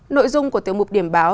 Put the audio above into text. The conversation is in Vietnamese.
nội dung của tiểu mục điểm báo